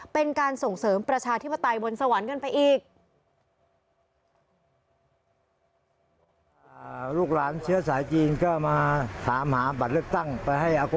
เป็นการส่งเสริมประชาธิปไตยบนสวรรค์กันไปอีก